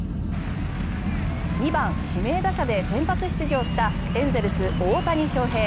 ２番指名打者で先発出場したエンゼルス、大谷翔平。